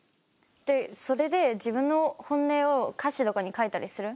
でそれで自分の本音を歌詞とかに書いたりする？